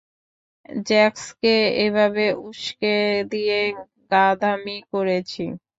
জ্যাক্সকে এভাবে উস্কে দিয়ে গাধামি করেছি!